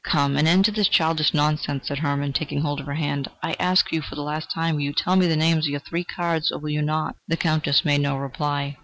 "Come, an end to this childish nonsense!" said Hermann, taking hold of her hand. "I ask you for the last time: will you tell me the names of your three cards, or will you not?" The Countess made no reply.